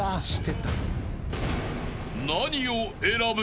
［何を選ぶ？］